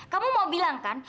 kamu mau bilangkan